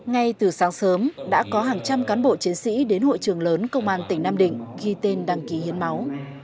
ngay từ sáng sớm đã có hàng trăm cán bộ chiến sĩ đến hội trường lớn công an tỉnh nam định ghi tên đăng ký hiến máu